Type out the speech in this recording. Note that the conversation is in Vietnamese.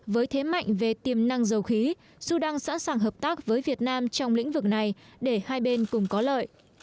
với thế mạnh về tiềm năng dầu khí sudan sẵn sàng hợp tác với việt nam trong lĩnh vực này để hai bên cùng có lợi